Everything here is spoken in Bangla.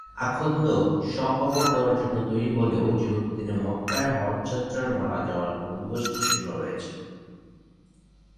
আখন্দ স্ব-কবর দেওয়ার জন্য তৈরি হলেও যেহেতু তিনি মক্কায় হজযাত্রায় মারা যাওয়ায় গম্বুজটি শূন্য রয়েছে।